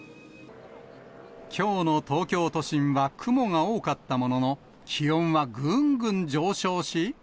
きょうの東京都心は雲が多かったものの、気温はぐんぐん上昇し。